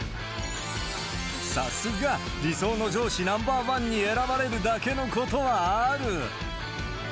さすが、理想の上司ナンバー１に選ばれるだけのことはある。